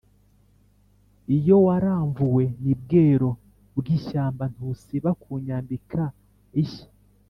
Iyo waramvuwe ni Bwero bw’ishyamba ntusiba kunyambika ishya,